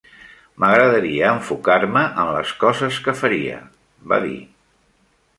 M'agradaria enfocar-me en les coses que faria, va dir.